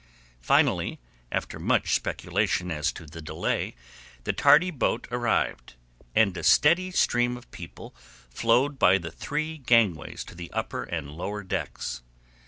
Finally, after much speculation as to the delay, the tardy boat arrived, and a steady stream of people flowed by the three gangways to the upper and lower decks.